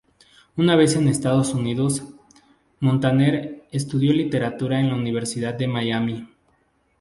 Una vez en Estados Unidos, Montaner estudió literatura en la Universidad de Miami.